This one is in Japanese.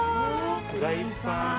フライパン。